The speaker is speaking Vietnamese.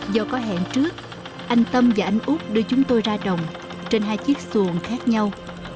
do có hẹn trước anh tâm và anh út đưa chúng tôi ra đồng trên hai chiếc xuồng khác nhau